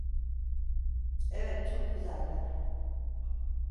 Evet, çok güzeller.